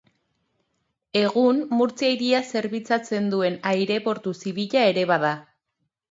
Egun, Murtzia hiria zerbitzatzen duen aireportu zibila ere bada.